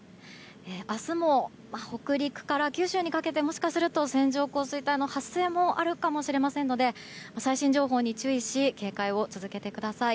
明日も北陸から九州にかけてもしかすると線状降水帯の発生もあるかもしれませんので最新情報に注意し警戒を続けてください。